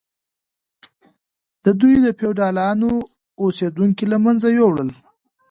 دوی د فیوډالانو اوسیدونکي له منځه یوړل.